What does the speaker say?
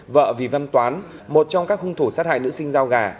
vợ vì văn toán một trong các hung thủ sát hại nữ sinh giao gà